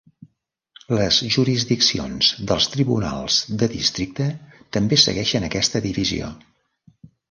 Les jurisdiccions dels tribunals de districte també segueixen aquesta divisió.